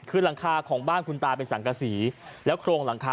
ขึ้นหลังคาของบ้านคุณตาของคุณตาเป็นสันกสี